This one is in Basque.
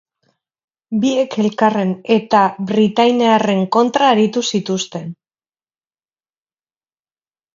Biek elkarren eta britainiarren kontra aritu zituzten.